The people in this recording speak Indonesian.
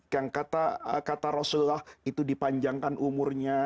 yang kata rasulullah itu dipanjangkan umurnya